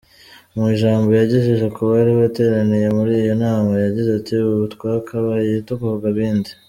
Mu ijambo yagejeje kubari bateraniye muri iyo nama yagize ati “Ubu twakabaye tuvuga ibindi.